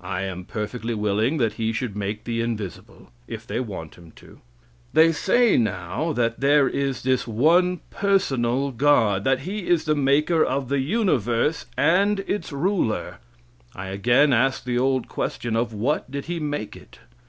I am perfectly willing that He should make the invisible, if they want Him to. They say, now, that there is this one personal God; that He is the maker of the universe, and its ruler. I again ask the old question: of what did He make it?